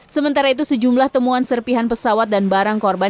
sementara itu sejumlah temuan serpihan pesawat dan barang korban